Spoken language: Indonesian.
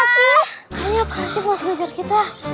kayaknya pasir mas diajar kita